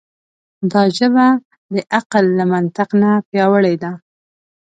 دا ژبه د عقل له منطق نه پیاوړې ده.